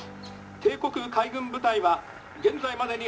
帝国海軍部隊は現在までに」。